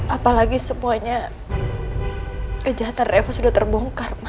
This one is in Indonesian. apalagi semuanya kejahatan refus sudah terbongkar ma